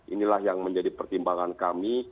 inilah yang menjadi pertimbangan kami